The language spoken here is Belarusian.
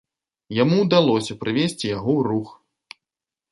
Яму ўдалося прывесці яго ў рух.